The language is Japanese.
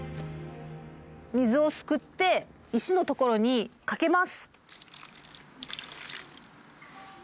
水をすくって石の所にかけます。